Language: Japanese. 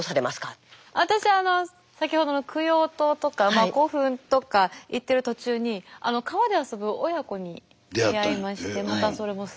私は先ほどの供養塔とか古墳とか行ってる途中に川で遊ぶ親子に出会いましてまたそれもすごくすてきなご家族だったので。